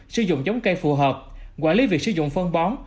sử dụng giống cây phù hợp quản lý việc sử dụng phân bón